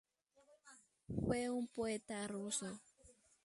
Fue un poeta ruso.